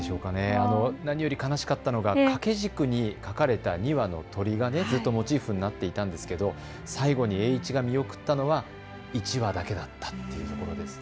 何より悲しかったのが掛け軸に描かれた２羽の鳥が、ずっとモチーフになっていたんですけれども最後に栄一が見送ったのは１羽だけだったということですね。